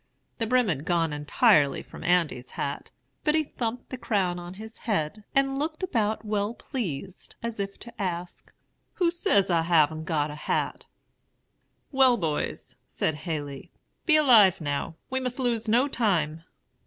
The brim had gone entirely from Andy's hat; but he thumped the crown on his head, and looked about well pleased, as if to ask, 'Who says I haven't got a hat?' "'Well, boys,' said Haley, 'be alive now. We must lose no time.'